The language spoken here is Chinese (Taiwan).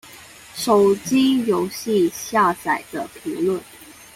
手機遊戲下載的評論